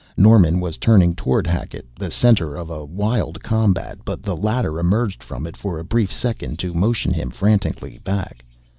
Norman was turning toward Hackett, the center of a wild combat, but the latter emerged from it for a brief second to motion him frantically back.